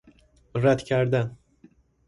ردکردن